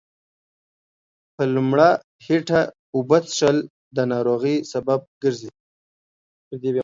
په لمړه هيټه اوبه څښل دا ناروغۍ سبب ګرځي